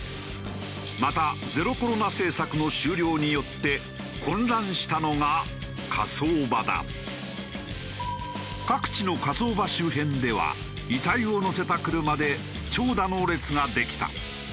またゼロコロナ政策の終了によって各地の火葬場周辺では遺体を乗せた車で長蛇の列ができた。